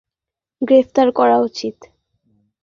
Sir, আপনার মনে হয় না ওই লোকটা কে গ্রেফতার করা উচিত।